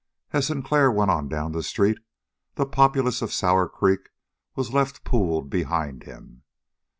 As Sinclair went on down the street, the populace of Sour Creek was left pooled behind him.